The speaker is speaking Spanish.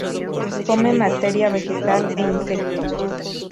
Come materia vegetal e insectos.